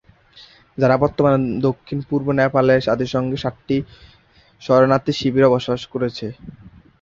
যারা বর্তমানে দক্ষিণ-পূর্ব নেপালের জাতিসংঘের সাতটি শরণার্থী শিবিরে বসবাস করছে।